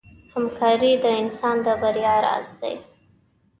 همکاري د انسان د بریا راز دی.